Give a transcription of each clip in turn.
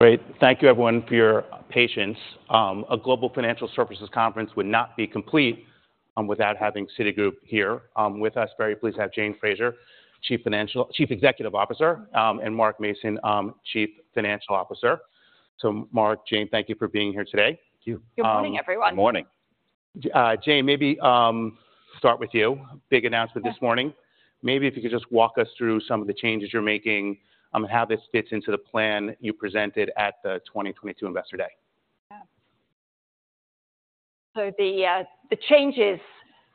Great. Thank you, everyone, for your patience. A global financial Services conference would not be complete without having Citigroup here. With us, very pleased to have Jane Fraser, Chief Executive Officer, and Mark Mason, Chief Financial Officer. So Mark, Jane, thank you for being here today. Thank you. Good morning, everyone. Good morning. Jane, maybe start with you. Big announcement- Yeah. This morning. Maybe if you could just walk us through some of the changes you're making, how this fits into the plan you presented at the 2022 Investor Day. Yeah. So the changes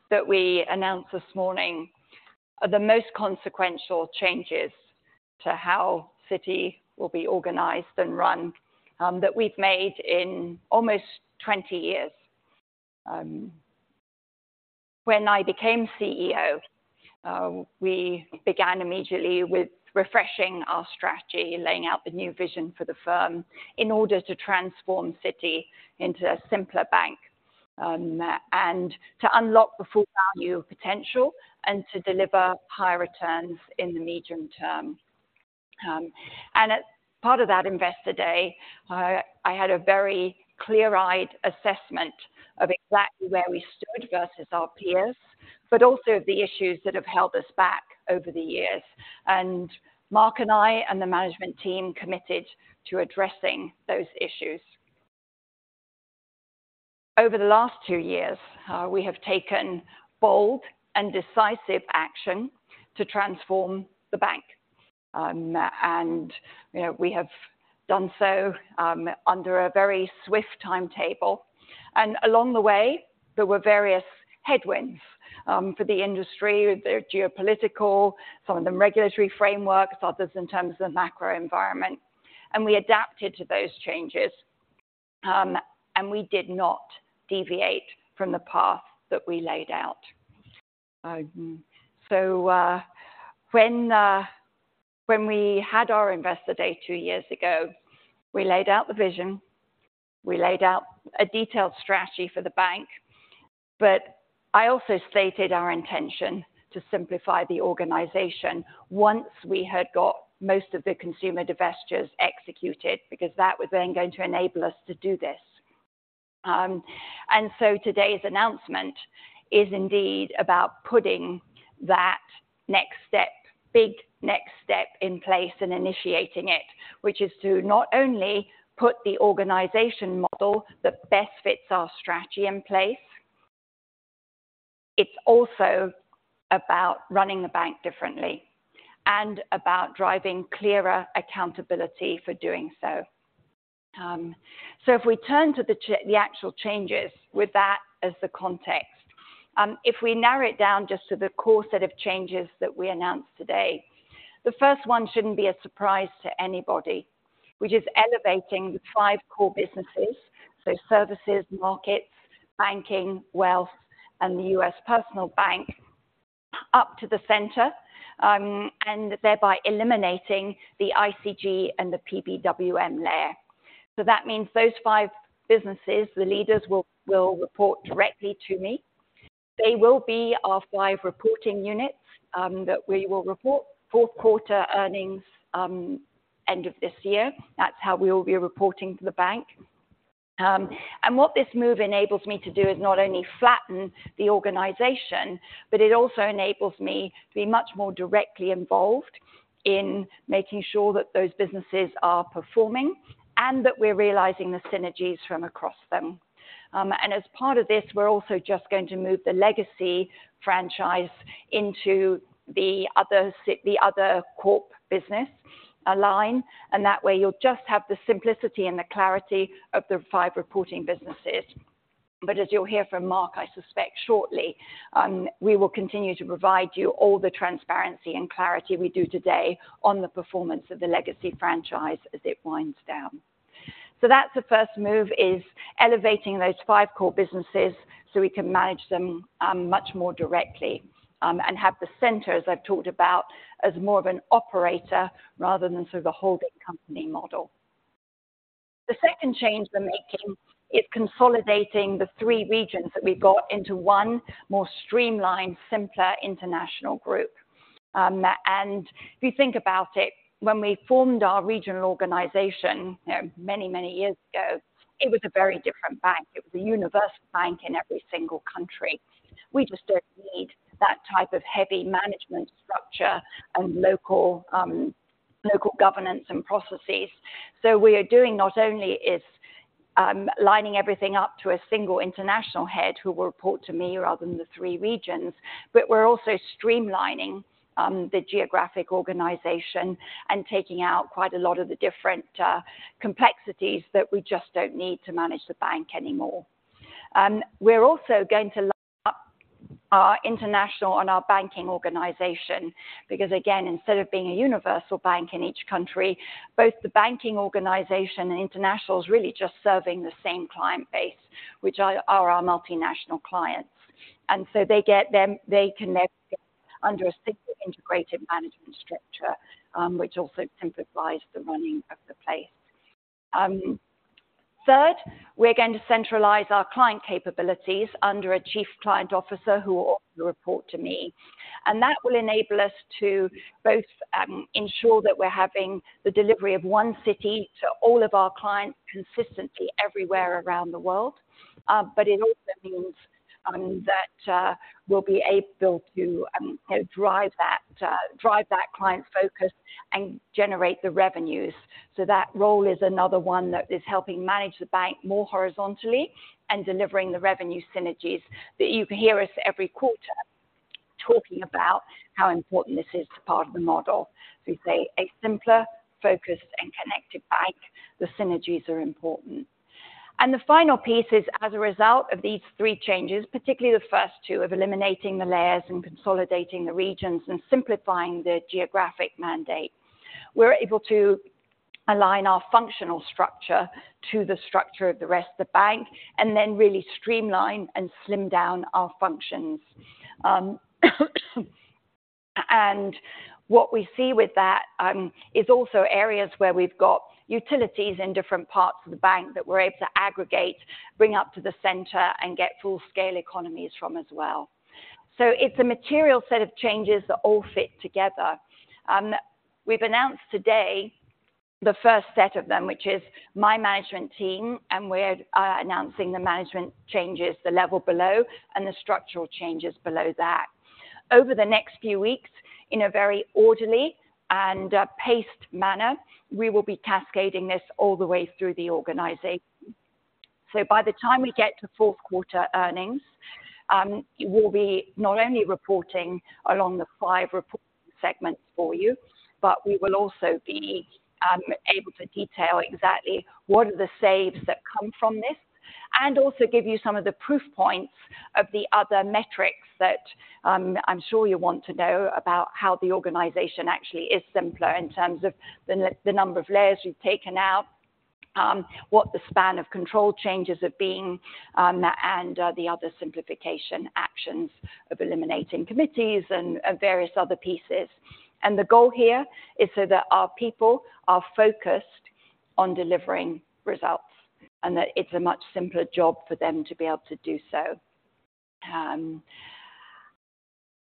that we announced this morning are the most consequential changes to how Citi will be organized and run, that we've made in almost 20 years. When I became CEO, we began immediately with refreshing our strategy, laying out the new vision for the firm in order to transform Citi into a simpler bank, and to unlock the full value potential and to deliver higher returns in the medium term. And as part of that Investor Day, I had a very clear-eyed assessment of exactly where we stood versus our peers, but also of the issues that have held us back over the years. And Mark and I, and the management team, committed to addressing those issues. Over the last two years, we have taken bold and decisive action to transform the bank. And, you know, we have done so under a very swift timetable, and along the way, there were various headwinds for the industry, the geopolitical, some of them regulatory frameworks, others in terms of the macro environment. And we adapted to those changes, and we did not deviate from the path that we laid out. So, when, when we had our Investor Day two years ago, we laid out the vision, we laid out a detailed strategy for the bank, but I also stated our intention to simplify the organization once we had got most of the consumer divestitures executed, because that was then going to enable us to do this. And so today's announcement is indeed about putting that next step, big next step in place and initiating it, which is to not only put the organization model that best fits our strategy in place, it's also about running the bank differently and about driving clearer accountability for doing so. So if we turn to the actual changes with that as the context, if we narrow it down just to the core set of changes that we announced today, the first one shouldn't be a surprise to anybody, which is elevating the five core businesses, so Services, Markets, Banking, Wealth, and the U.S. Personal Bank up to the center, and thereby eliminating the ICG and the PBWM layer. So that means those five businesses, the leaders will, will report directly to me. They will be our five reporting units that we will report fourth quarter earnings end of this year. That's how we will be reporting to the bank. And what this move enables me to do is not only flatten the organization, but it also enables me to be much more directly involved in making sure that those businesses are performing and that we're realizing the synergies from across them. And as part of this, we're also just going to move the Legacy Franchise into the other Citi, the other corporate business line, and that way, you'll just have the simplicity and the clarity of the five reporting businesses. But as you'll hear from Mark, I suspect shortly, we will continue to provide you all the transparency and clarity we do today on the performance of the Legacy Franchise as it winds down. So that's the first move, is elevating those five core businesses so we can manage them, much more directly, and have the center, as I've talked about, as more of an operator rather than sort of a holding company model. The second change we're making is consolidating the three regions that we've got into one more streamlined, simpler, international group. And if you think about it, when we formed our regional organization, you know, many, many years ago, it was a very different bank. It was a universal bank in every single country. We just don't need that type of heavy management structure and local, local governance and processes. So we are doing not only is lining everything up to a single international head who will report to me rather than the three regions, but we're also streamlining the geographic organization and taking out quite a lot of the different complexities that we just don't need to manage the bank anymore. We're also going to line up our international and our Banking organization, because again, instead of being a universal bank in each country, both the Banking organization and international is really just serving the same client base, which are our multinational clients. And so they connect under a single integrated management structure, which also simplifies the running of the place. Third, we're going to centralize our client capabilities under a Chief Client Officer, who will report to me. That will enable us to both ensure that we're having the delivery of one Citi to all of our clients consistently everywhere around the world. But it also means that we'll be able to drive that client focus and generate the revenues. So that role is another one that is helping manage the bank more horizontally and delivering the revenue synergies that you hear us every quarter talking about how important this is to part of the model. We say a simpler, focused, and connected bank. The synergies are important. The final piece is, as a result of these three changes, particularly the first two, of eliminating the layers and consolidating the regions and simplifying the geographic mandate, we're able to align our functional structure to the structure of the rest of the bank, and then really streamline and slim down our functions. And what we see with that is also areas where we've got utilities in different parts of the bank that we're able to aggregate, bring up to the center, and get full-scale economies from as well. So it's a material set of changes that all fit together. We've announced today the first set of them, which is my management team, and we're announcing the management changes, the level below, and the structural changes below that. Over the next few weeks, in a very orderly and paced manner, we will be cascading this all the way through the organization. So by the time we get to fourth quarter earnings, we'll be not only reporting along the five report segments for you, but we will also be able to detail exactly what are the saves that come from this, and also give you some of the proof points of the other metrics that I'm sure you want to know about how the organization actually is simpler in terms of the number of layers we've taken out, what the span of control changes have been, and the other simplification actions of eliminating committees and various other pieces. The goal here is so that our people are focused on delivering results, and that it's a much simpler job for them to be able to do so.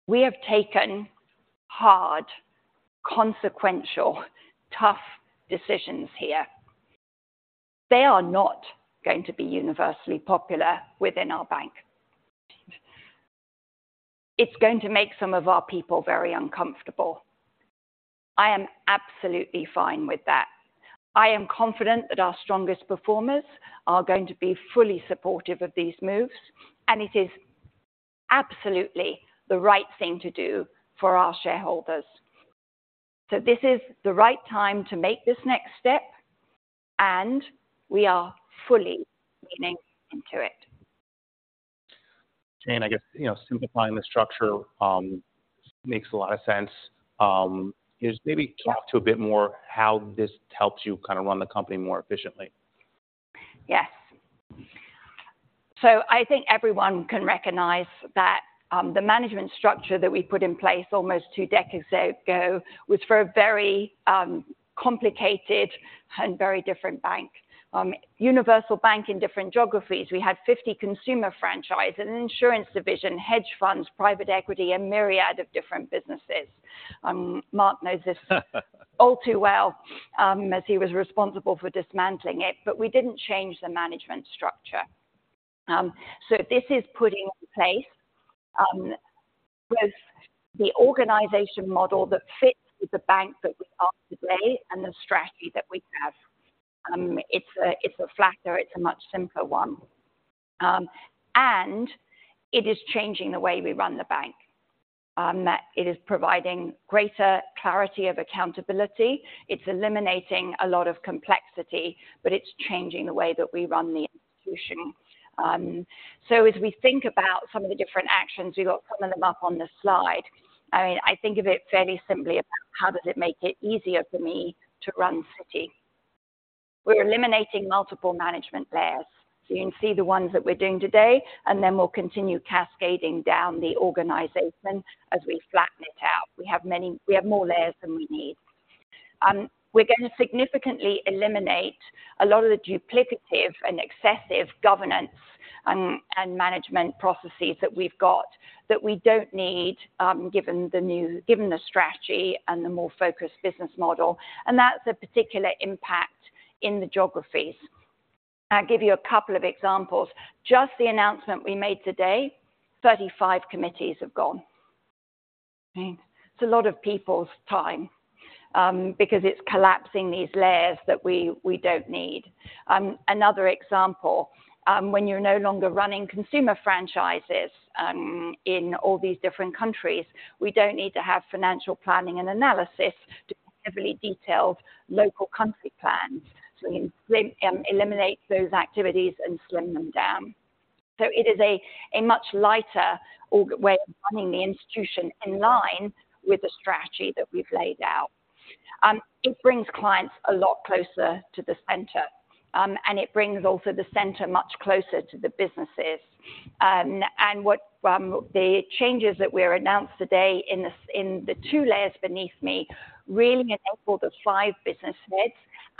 We have taken hard, consequential, tough decisions here. They are not going to be universally popular within our bank. It's going to make some of our people very uncomfortable. I am absolutely fine with that. I am confident that our strongest performers are going to be fully supportive of these moves, and it is absolutely the right thing to do for our shareholders. This is the right time to make this next step, and we are fully leaning into it. Jane, I guess, simplifying the structure, makes a lot of sense. Just maybe talk to a bit more how this helps you run the company more efficiently. Yes. So I think everyone can recognize that, the management structure that we put in place almost two decades ago, was for a very, complicated and very different bank. Universal bank in different geographies. We had 50 consumer franchise, an insurance division, hedge funds, private equity, a myriad of different businesses. Mark knows this all too well, as he was responsible for dismantling it, but we didn't change the management structure. This is putting in place, both the organization model that fits with the bank that we are today and the strategy that we have. It's a flatter, much simpler one. And it is changing the way we run the bank, that it is providing greater clarity of accountability. It's eliminating a lot of complexity, but it's changing the way that we run the institution. So as we think about some of the different actions, we got some of them up on the slide. I mean, I think of it fairly simply about how does it make it easier for me to run Citi? We're eliminating multiple management layers, so you can see the ones that we're doing today, and then we'll continue cascading down the organization as we flatten it out. We have more layers than we need. We're going to significantly eliminate a lot of the duplicative and excessive governance and management processes that we've got that we don't need, given the strategy and the more focused business model, and that's a particular impact in the geographies. I'll give you a couple of examples. Just the announcement we made today, 35 committees have gone. It's a lot of people's time, because it's collapsing these layers that we don't need. Another example, when you're no longer running consumer franchises, in all these different countries, we don't need to have financial planning and analysis too heavily detailed local country plans. So we eliminate those activities and slim them down. So it is a much lighter org way of running the institution in line with the strategy that we've laid out. It brings clients a lot closer to the center, and it brings also the center much closer to the businesses. And the changes that we announced today in the two layers beneath me really enable the five business heads,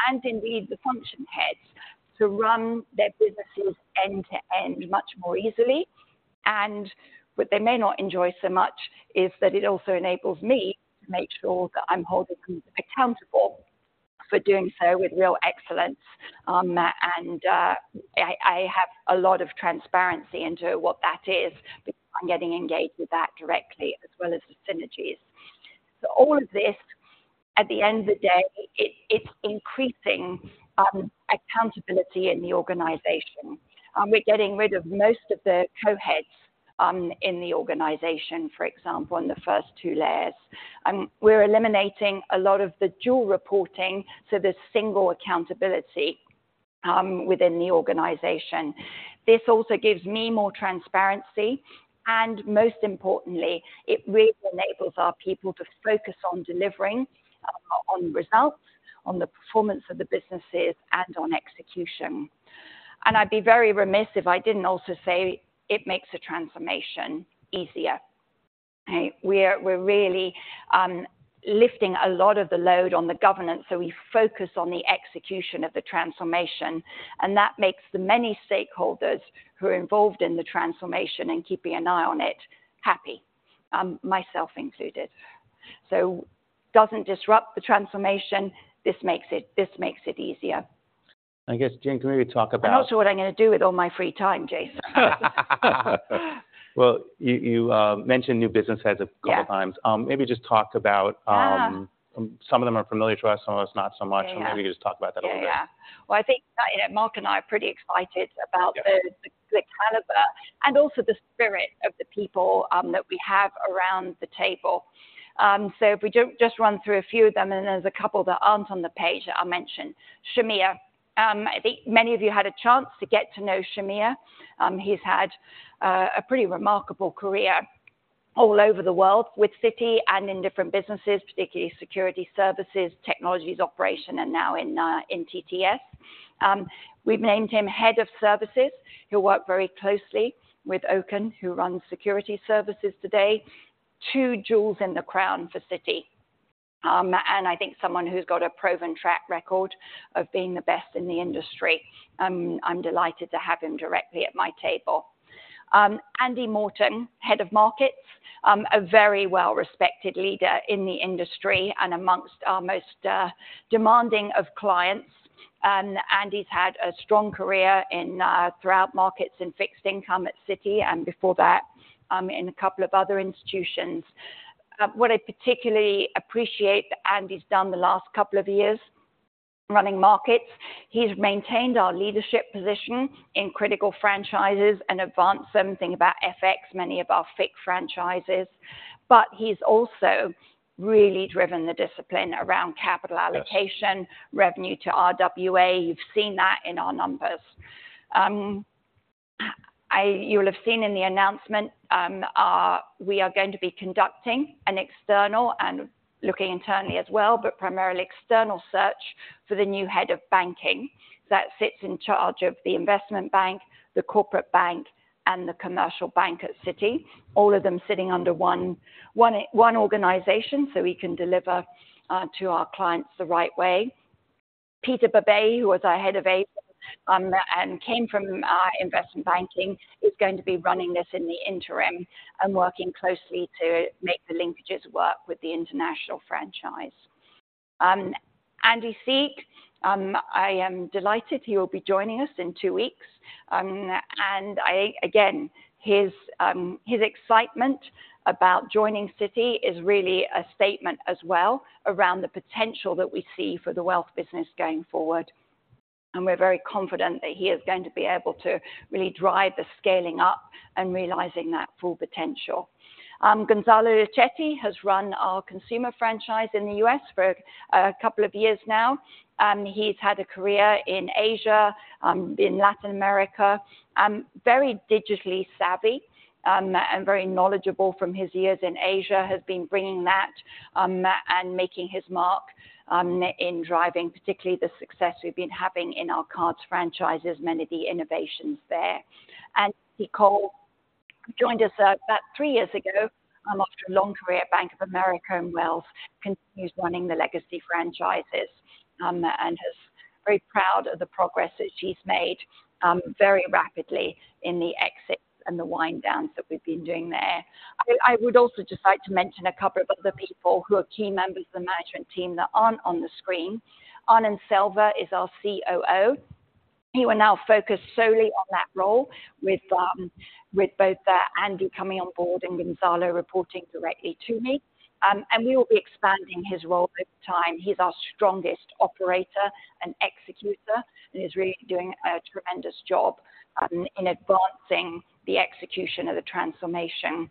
and indeed the function heads, to run their businesses end-to-end much more easily. And what they may not enjoy so much is that it also enables me to make sure that I'm holding them accountable for doing so with real excellence. I have a lot of transparency into what that is, because I'm getting engaged with that directly, as well as the synergies. So all of this, at the end of the day, it's increasing accountability in the organization. We're getting rid of most of the co-heads in the organization, for example, in the first two layers. And we're eliminating a lot of the dual reporting, so there's single accountability within the organization. This also gives me more transparency, and most importantly, it really enables our people to focus on delivering on results, on the performance of the businesses, and on execution. I'd be very remiss if I didn't also say it makes the transformation easier. We're really lifting a lot of the load on the governance, so we focus on the execution of the transformation, and that makes the many stakeholders who are involved in the transformation and keeping an eye on it happy, myself included. So doesn't disrupt the transformation. This makes it easier. I guess, Jane, can we talk about- I'm not sure what I'm gonna do with all my free time, Jason. Well, you mentioned new business heads a couple of times. Yeah. Maybe just talk about. Yeah. Some of them are familiar to us, some of us, not so much. Yeah. Maybe just talk about that a little bit. Yeah. Well, I think, you know, Mark and I are pretty excited about- Yeah The caliber and also the spirit of the people that we have around the table. So if we do just run through a few of them, and there's a couple that aren't on the page that I'll mention. Shahmir. I think many of you had a chance to get to know Shahmir. He's had a pretty remarkable career all over the world with Citi and in different businesses, particularly Securities Services, technologies, operations, and now in TTS. We've named him Head of Services. He'll work very closely with Okan, who runs Securities Services today. Two jewels in the crown for Citi. And I think someone who's got a proven track record of being the best in the industry. I'm delighted to have him directly at my table. Andy Morton, Head of Markets, a very well-respected leader in the industry and amongst our most demanding of clients. Andy's had a strong career in throughout Markets and fixed income at Citi, and before that, in a couple of other institutions. What I particularly appreciate that Andy's done the last couple of years running Markets, he's maintained our leadership position in critical franchises and advanced something about FX, many of our FICC franchises, but he's also really driven the discipline around capital allocation- Yes. Revenue to RWA. You've seen that in our numbers. You will have seen in the announcement, we are going to be conducting an external and looking internally as well, but primarily external search for the new Head of Banking. That sits in charge of the Investment Bank, the Corporate Bank, and the Commercial Bank at Citi, all of them sitting under one organization, so we can deliver to our clients the right way. Peter Babej, who was our head of APAC, and came from investment banking, is going to be running this in the interim and working closely to make the linkages work with the international franchise. Andy Sieg, I am delighted he will be joining us in two weeks. And I... Again, his excitement about joining Citi is really a statement as well around the potential that we see for the Wealth business going forward. And we're very confident that he is going to be able to really drive the scaling up and realizing that full potential. Gonzalo Luchetti has run our consumer franchise in the U.S. for a couple of years now. He's had a career in Asia, in Latin America, very digitally savvy, and very knowledgeable from his years in Asia, has been bringing that, and making his mark, in driving, particularly the success we've been having in our Cards franchises, many of the innovations there. And Nicole joined us about three years ago after a long career at Bank of America and Wells Fargo, continues running the Legacy Franchises, and is very proud of the progress that she's made very rapidly in the exits and the wind downs that we've been doing there. I would also just like to mention a couple of other people who are key members of the management team that aren't on the screen. Anand Selva is our COO. He will now focus solely on that role with both Andy coming on board and Gonzalo reporting directly to me. And we will be expanding his role with time. He's our strongest operator and executor, and he's really doing a tremendous job in advancing the execution of the transformation.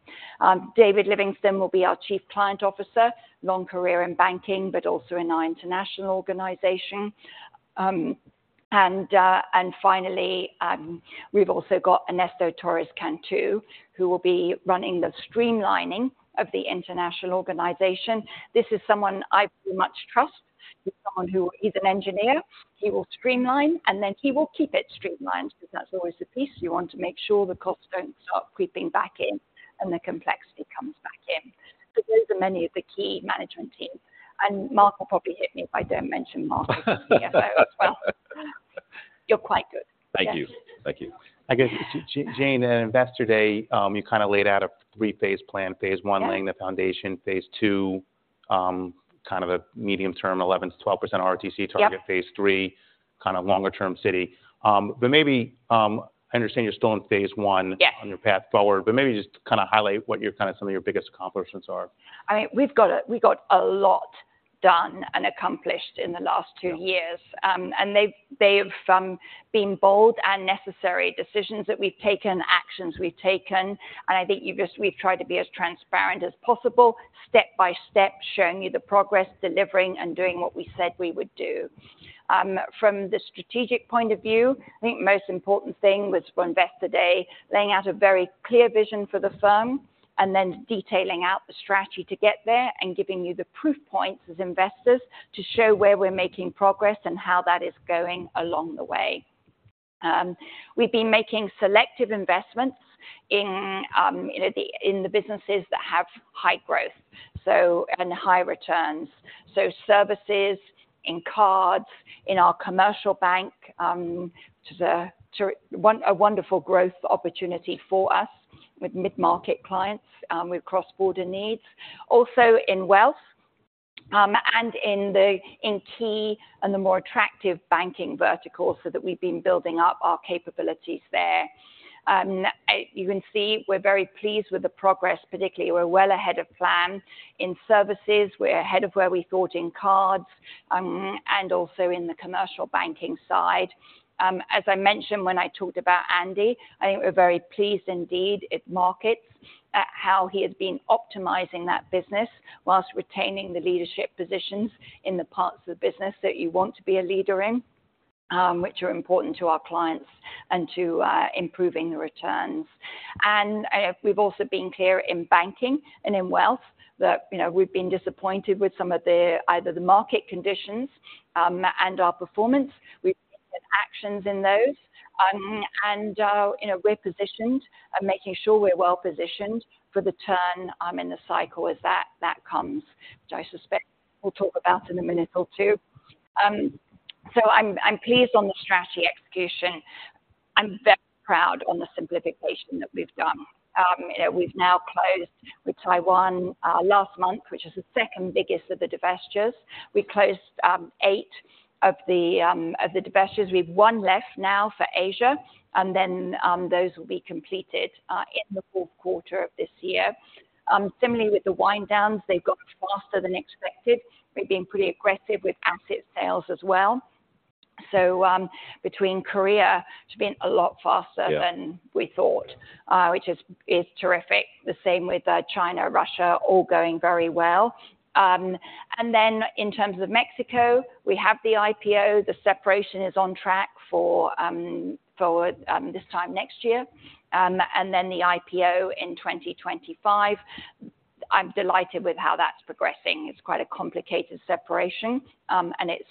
David Livingstone will be our Chief Client Officer, long career in banking, but also in our international organization. And finally, we've also got Ernesto Torres Cantú, who will be running the streamlining of the international organization. This is someone I very much trust. Someone who is an engineer, he will streamline, and then he will keep it streamlined, because that's always the piece. You want to make sure the costs don't start creeping back in and the complexity comes back in. So those are many of the key management team. And Mark will probably hit me if I don't mention Mark. As well. You're quite good. Thank you. Thank you. I guess, Jane, in Investor Day, you kind of laid out a three-phase plan. Phase I- Yeah. Laying the foundation, Phase II, kind of a medium-term, 11%-12% ROTCE target. Yeah. Phase III kind of longer-term Citi. But maybe, I understand you're still in Phase I Yes on your path forward, but maybe just to kind of highlight what your kind of some of your biggest accomplishments are? I mean, we've got a lot done and accomplished in the last two years. And from being bold and necessary decisions that we've taken, actions we've taken, and I think we've tried to be as transparent as possible, step by step, showing you the progress, delivering and doing what we said we would do. From the strategic point of view, I think the most important thing was for Investor Day, laying out a very clear vision for the firm and then detailing out the strategy to get there and giving you the proof points as investors to show where we're making progress and how that is going along the way. We've been making selective investments in the businesses that have high growth, so, and high returns. So services, in cards, in our Commercial Bank, which is a wonderful growth opportunity for us with mid-market clients, with cross-border needs, also in wealth, and in key and the more attractive banking verticals, so that we've been building up our capabilities there. You can see we're very pleased with the progress, particularly, we're well ahead of plan in services. We're ahead of where we thought in cards, and also in the commercial banking side. As I mentioned when I talked about Andy, I think we're very pleased indeed in markets, at how he has been optimizing that business whilst retaining the leadership positions in the parts of the business that you want to be a leader in, which are important to our clients and to improving the returns. We've also been clear in banking and in wealth that you know we've been disappointed with some of the either the market conditions and our performance. We've taken actions in those and we're positioned and making sure we're well positioned for the turn in the cycle as that comes which I suspect we'll talk about in a minute or two. So I'm pleased on the strategy execution. I'm very proud on the simplification that we've done. We've now closed with Taiwan last month which is the second biggest of the divestitures. We closed eight of the divestitures. We have one left now for Asia and then those will be completed in the fourth quarter of this year. Similarly with the wind downs they've gone faster than expected. We've been pretty aggressive with asset sales as well. So, between Korea, it's been a lot faster- Yeah Than we thought, which is, is terrific. The same with China, Russia, all going very well. And then in terms of Mexico, we have the IPO. The separation is on track for, for this time next year, and then the IPO in 2025. I'm delighted with how that's progressing. It's quite a complicated separation, and it's,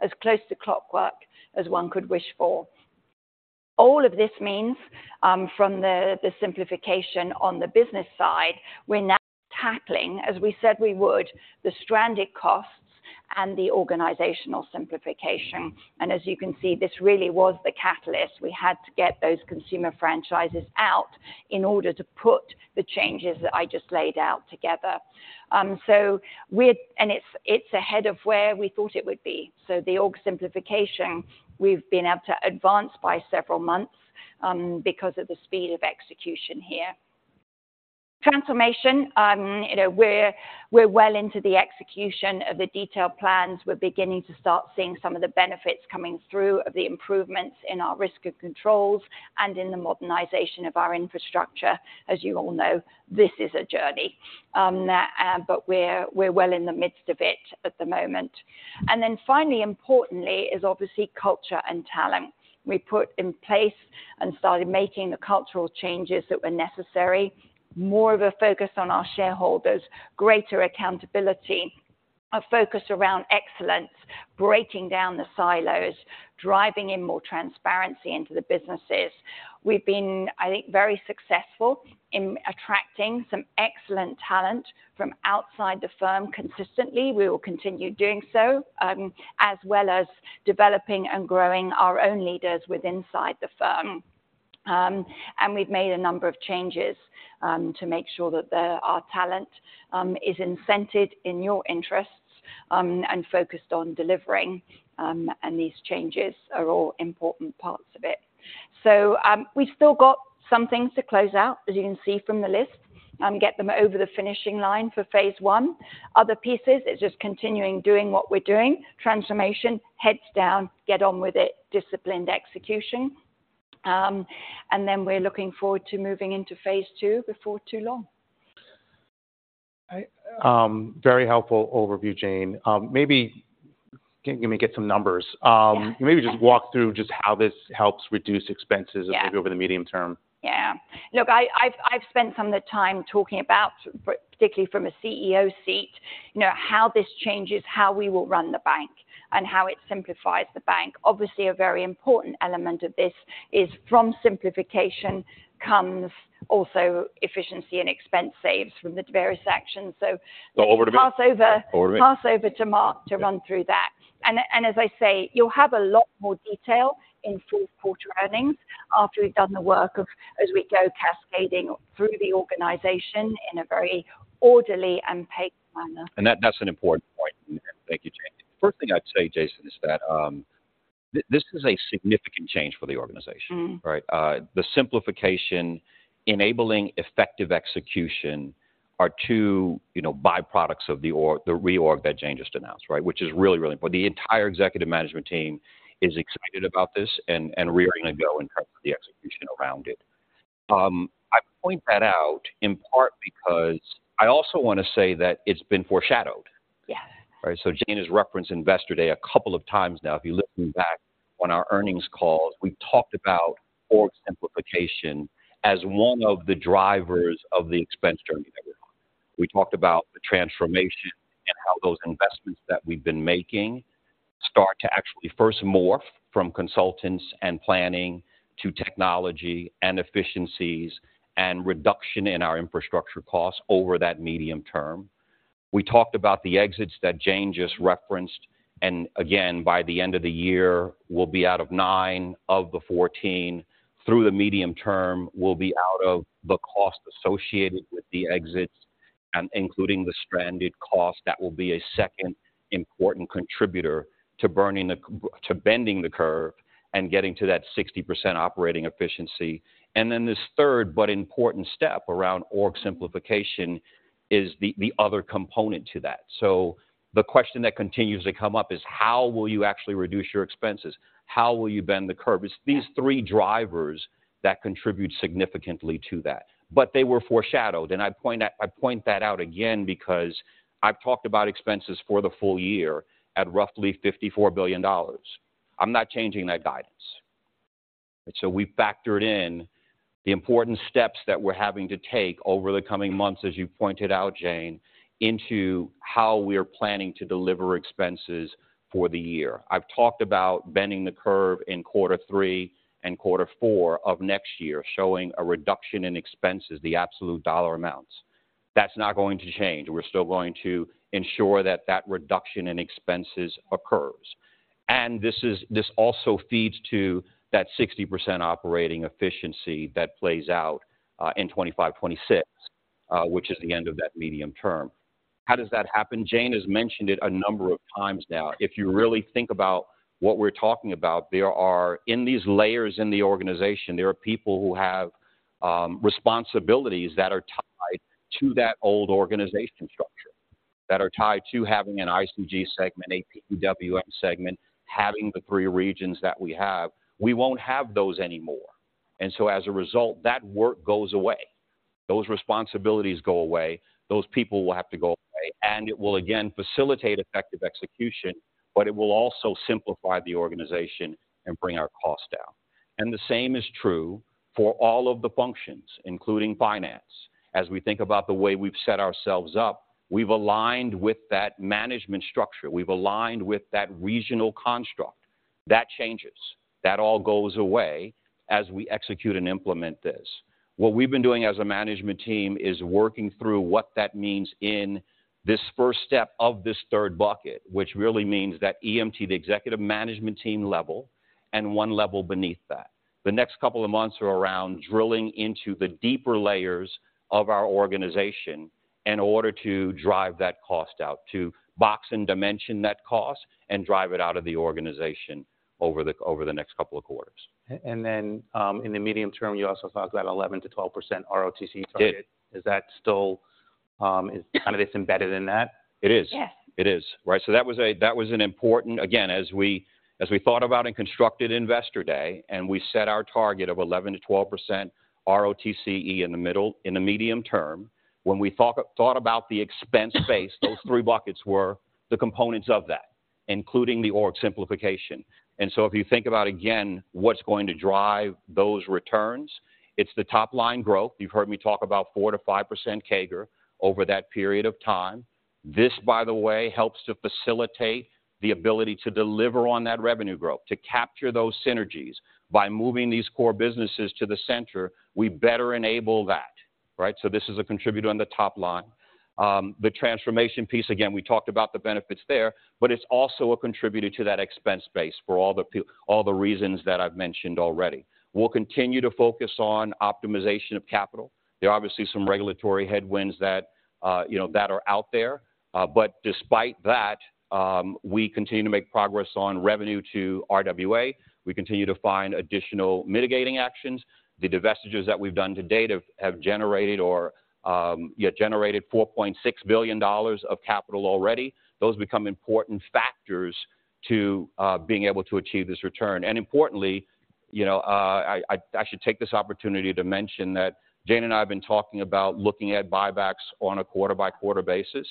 as close to clockwork as one could wish for. All of this means, from the, the simplification on the business side, we're now tackling, as we said we would, the stranded costs and the organizational simplification. As you can see, this really was the catalyst. We had to get those consumer franchises out in order to put the changes that I just laid out together. So we're and it's, it's ahead of where we thought it would be. So the org simplification, we've been able to advance by several months, because of the speed of execution here. Transformation, you know, we're well into the execution of the detailed plans. We're beginning to start seeing some of the benefits coming through of the improvements in our risk of controls and in the modernization of our infrastructure. As you all know, this is a journey, but we're well in the midst of it at the moment. And then finally, importantly, is obviously culture and talent. We put in place and started making the cultural changes that were necessary, more of a focus on our shareholders, greater accountability, a focus around excellence, breaking down the silos, driving in more transparency into the businesses. We've been, I think, very successful in attracting some excellent talent from outside the firm consistently. We will continue doing so, as well as developing and growing our own leaders within the firm. And we've made a number of changes to make sure that the, our talent, is incented in your interests, and focused on delivering, and these changes are all important parts of it. So, we've still got some things to close out, as you can see from the list, and get them over the finishing line for Phase I. Other pieces, it's just continuing doing what we're doing. Transformation, heads down, get on with it, disciplined execution. And then we're looking forward to moving into Phase II before too long. Very helpful overview, Jane. Maybe can we get some numbers? Yeah. Maybe just walk through just how this helps reduce expenses- Yeah Maybe over the medium term. Yeah. Look, I've spent some of the time talking about but particularly from a CEO seat, you know, how this changes how we will run the bank and how it simplifies the bank. Obviously, a very important element of this is from simplification comes also efficiency and expense saves from the various actions. So- Over to me? Pass over- Over to me. Pass over to Mark to run through that. And as I say, you'll have a lot more detail in full quarter earnings after we've done the work, as we go, cascading through the organization in a very orderly and paced manner. That, that's an important point. Thank you, Jane. First thing I'd say, Jason, is that, this is a significant change for the organization. Mm-hmm. Right? The simplification, enabling effective execution are two, you know, byproducts of the org, the reorg that Jane just announced, right? Which is really, really important. The entire executive management team is excited about this and, and raring to go in terms of the execution around it. I point that out in part because I also want to say that it's been foreshadowed. Yes. Right? So Jane has referenced Investor Day a couple of times now. If you listen back on our earnings calls, we've talked about org simplification as one of the drivers of the expense journey that we're on. We talked about the transformation and how those investments that we've been making start to actually first morph from consultants and planning to technology and efficiencies and reduction in our infrastructure costs over that medium term. We talked about the exits that Jane just referenced, and again, by the end of the year, we'll be out of 9 of the 14. Through the medium term, we'll be out of the cost associated with the exits, and including the stranded cost, that will be a second important contributor to bending the curve and getting to that 60% operating efficiency. And then this third but important step around org simplification is the other component to that. So the question that continues to come up is: How will you actually reduce your expenses? How will you bend the curve? Yes. It's these three drivers that contribute significantly to that. But they were foreshadowed, and I point out, I point that out again because I've talked about expenses for the full year at roughly $54 billion. I'm not changing that guidance. So we've factored in the important steps that we're having to take over the coming months, as you pointed out, Jane, into how we are planning to deliver expenses for the year. I've talked about bending the curve in quarter three and quarter four of next year, showing a reduction in expenses, the absolute dollar amounts. That's not going to change. We're still going to ensure that that reduction in expenses occurs. And this is, this also feeds to that 60% operating efficiency that plays out in 2025, 2026, which is the end of that medium term. How does that happen? Jane has mentioned it a number of times now. If you really think about what we're talking about, there are... in these layers in the organization, there are people who have responsibilities that are tied to that old organization structure, that are tied to having an ICG segment, PBWM segment, having the three regions that we have. We won't have those anymore, and so as a result, that work goes away. Those responsibilities go away, those people will have to go away, and it will again facilitate effective execution, but it will also simplify the organization and bring our costs down. And the same is true for all of the functions, including finance. As we think about the way we've set ourselves up, we've aligned with that management structure. We've aligned with that regional construct. That changes. That all goes away as we execute and implement this. What we've been doing as a management team is working through what that means in this first step of this third bucket, which really means that EMT, the executive management team level, and one level beneath that. The next couple of months are around drilling into the deeper layers of our organization in order to drive that cost out, to box and dimension that cost and drive it out of the organization over the, over the next couple of quarters. In the medium term, you also talked about 11%-12% ROTCE target. Yeah. Is that still, is kind of this embedded in that? It is. Yes. It is, right. So that was, that was an important... Again, as we thought about and constructed Investor Day, and we set our target of 11%-12% ROTCE in the middle, in the medium term, when we thought about the expense base, those three buckets were the components of that, including the org simplification. So if you think about, again, what's going to drive those returns, it's the top-line growth. You've heard me talk about 4%-5% CAGR over that period of time. This, by the way, helps to facilitate the ability to deliver on that revenue growth, to capture those synergies. By moving these core businesses to the center, we better enable that, right? So this is a contributor on the top line. The transformation piece, again, we talked about the benefits there, but it's also a contributor to that expense base for all the reasons that I've mentioned already. We'll continue to focus on optimization of capital. There are obviously some regulatory headwinds that, you know, that are out there, but despite that, we continue to make progress on revenue to RWA. We continue to find additional mitigating actions. The divestitures that we've done to date have generated $4.6 billion of capital already. Those become important factors to being able to achieve this return. And importantly, you know, I should take this opportunity to mention that Jane and I have been talking about looking at buybacks on a quarter-by-quarter basis.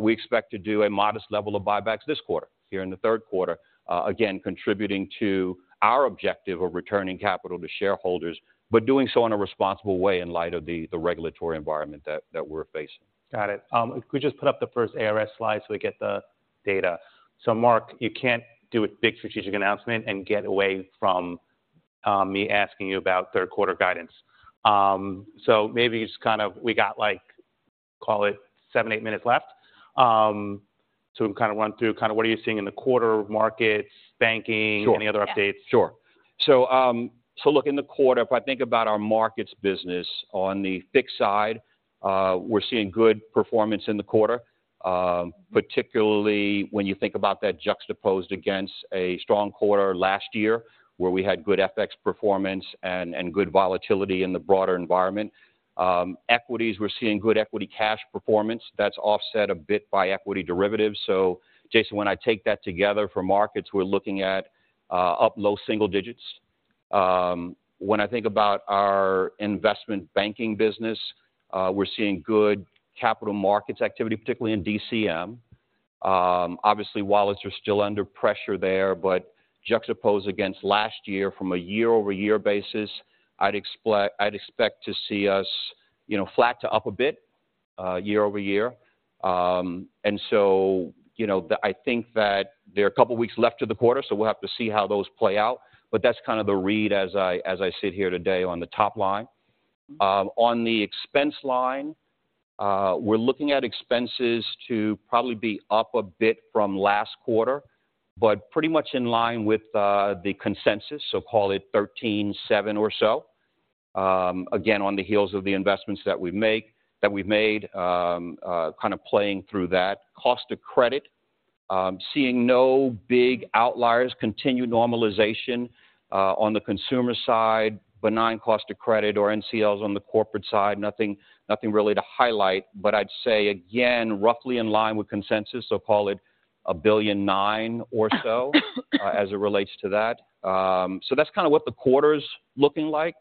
we expect to do a modest level of buybacks this quarter, here in the third quarter. Again, contributing to our objective of returning capital to shareholders, but doing so in a responsible way in light of the, the regulatory environment that, that we're facing. Got it. Could we just put up the first ARS slide so we get the data? So Mark, you can't do a big strategic announcement and get away from me asking you about third quarter guidance. So maybe just kind of we got like, call it 7, 8 minutes left, so we kind of run through kind of what are you seeing in the quarter markets, banking- Sure. Any other updates? Sure. So, look, in the quarter, if I think about our markets business, on the fixed side, we're seeing good performance in the quarter. Particularly when you think about that juxtaposed against a strong quarter last year, where we had good FX performance and good volatility in the broader environment. Equities, we're seeing good equity cash performance that's offset a bit by equity derivatives. So Jason, when I take that together for markets, we're looking at up low single digits. When I think about our investment banking business, we're seeing good capital markets activity, particularly in DCM. Obviously, wallets are still under pressure there, but juxtaposed against last year from a year-over-year basis, I'd expect to see us, you know, flat to up a bit, year-over-year. And so, you know, I think that there are a couple of weeks left to the quarter, so we'll have to see how those play out. But that's kind of the read as I sit here today on the top line. On the expense line, we're looking at expenses to probably be up a bit from last quarter, but pretty much in line with the consensus. So call it $13.7 billion or so. Again, on the heels of the investments that we've made, kind of playing through that. Cost of credit, seeing no big outliers, continued normalization, on the consumer side, benign cost of credit or NCLs on the corporate side. Nothing, nothing really to highlight, but I'd say again, roughly in line with consensus, so call it $1.9 billion or so, as it relates to that. So that's kind of what the quarter's looking like.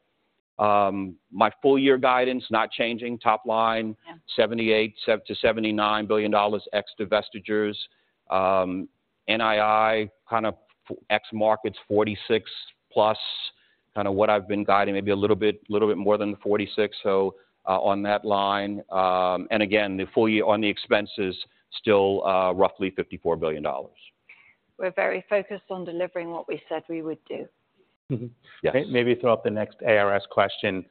My full year guidance, not changing. Top line- Yeah $78 billion-$79 billion ex-divestitures. NII kind of ex markets $46+, kind of what I've been guiding, maybe a little bit more than $46. So, on that line, and again, the full year on the expenses, still, roughly $54 billion. We're very focused on delivering what we said we would do. Mm-hmm. Yes. Maybe throw up the next ARS question.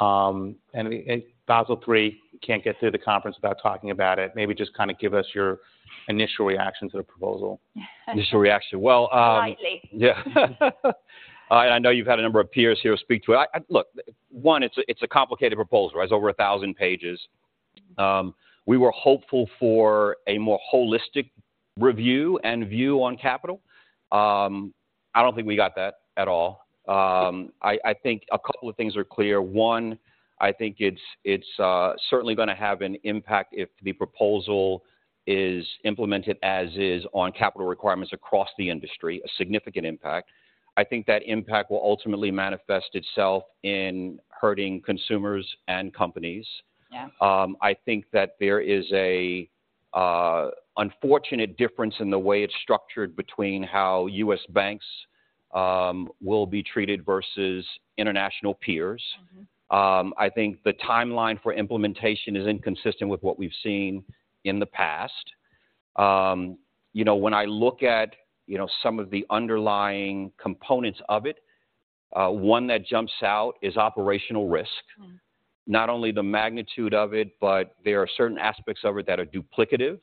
And Basel III, can't get through the conference without talking about it. Maybe just kind of give us your initial reaction to the proposal. Initial reaction. Well, Briefly. Yeah. I know you've had a number of peers here speak to it. Look, one, it's a complicated proposal, right? It's over a thousand pages. We were hopeful for a more holistic review and view on capital. I think a couple of things are clear. One, I think it's certainly gonna have an impact if the proposal is implemented as is on capital requirements across the industry, a significant impact. I think that impact will ultimately manifest itself in hurting consumers and companies. Yeah. I think that there is a unfortunate difference in the way it's structured between how U.S. banks will be treated versus international peers. Mm-hmm. I think the timeline for implementation is inconsistent with what we've seen in the past. You know, when I look at, you know, some of the underlying components of it, one that jumps out is operational risk. Mm. Not only the magnitude of it, but there are certain aspects of it that are duplicative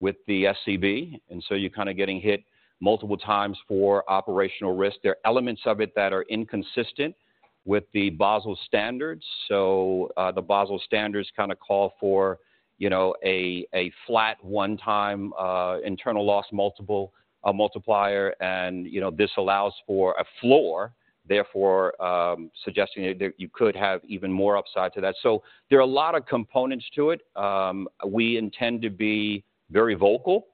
with the SCB, and so you're kind of getting hit multiple times for operational risk. There are elements of it that are inconsistent with the Basel standards, so the Basel standards kind of call for, you know, a flat one-time internal loss multiplier. And, you know, this allows for a floor, therefore suggesting that you could have even more upside to that. So there are a lot of components to it. We intend to be very vocal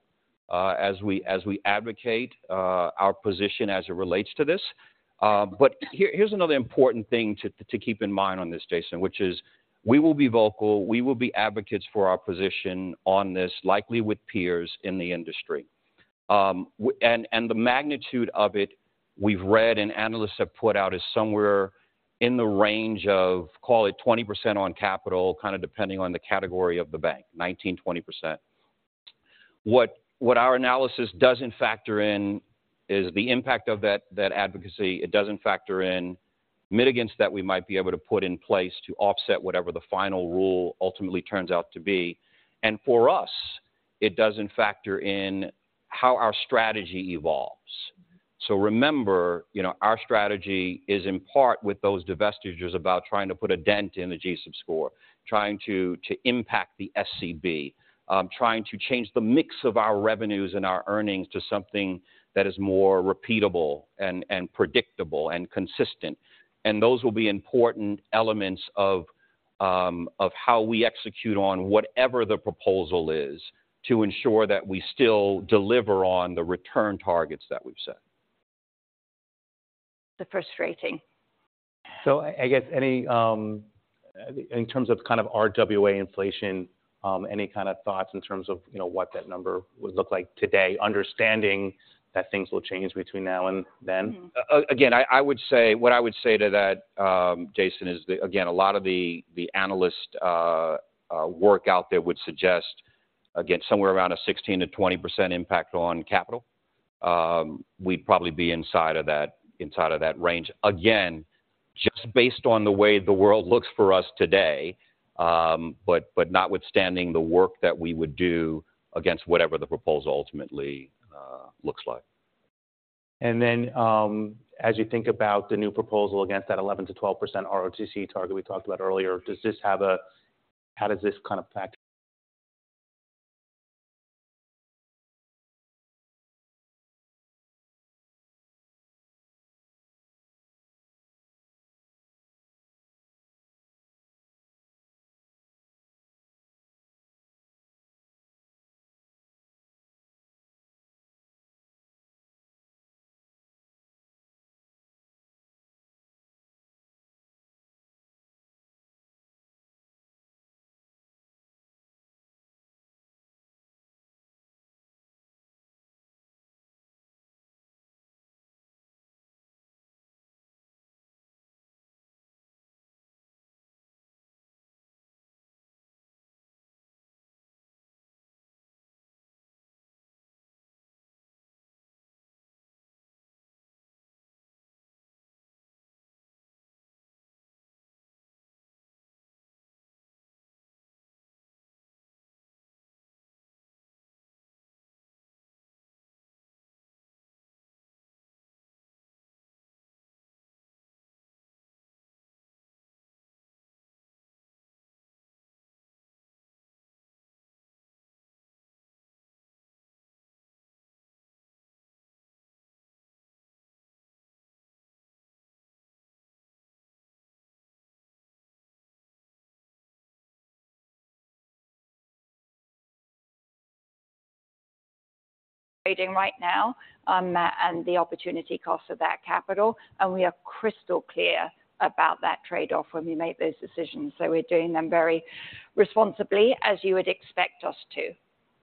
as we advocate our position as it relates to this. But here, here's another important thing to keep in mind on this, Jason, which is we will be vocal, we will be advocates for our position on this, likely with peers in the industry. And the magnitude of it, we've read and analysts have put out, is somewhere in the range of, call it 20% on capital, kind of depending on the category of the bank, 19%-20%. What our analysis doesn't factor in is the impact of that advocacy. It doesn't factor in mitigants that we might be able to put in place to offset whatever the final rule ultimately turns out to be. And for us, it doesn't factor in how our strategy evolves. So remember, you know, our strategy is in part with those divestitures, about trying to put a dent in the G-SIB score, trying to impact the SCB, trying to change the mix of our revenues and our earnings to something that is more repeatable and predictable and consistent. Those will be important elements of how we execute on whatever the proposal is to ensure that we still deliver on the return targets that we've set. So frustrating. I guess, in terms of kind of RWA inflation, any kind of thoughts in terms of, you know, what that number would look like today, understanding that things will change between now and then? Again, what I would say to that, Jason, is, again, a lot of the analyst work out there would suggest, again, somewhere around a 16%-20% impact on capital. We'd probably be inside of that range. Again, just based on the way the world looks for us today, but notwithstanding the work that we would do against whatever the proposal ultimately looks like. And then, as you think about the new proposal against that 11%-12% ROTCE target we talked about earlier, does this have a—how does this kind of factor? Trading right now, and the opportunity cost of that capital, and we are crystal clear about that trade-off when we make those decisions. So we're doing them very responsibly, as you would expect us to.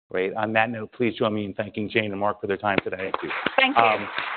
Great. On that note, please join me in thanking Jane and Mark for their time today. Thank you. Thank you.